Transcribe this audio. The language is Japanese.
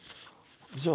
じゃあ。